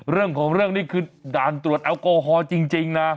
เรื่องของเรื่องนี้คือด่านตรวจแอลกอฮอลจริงนะ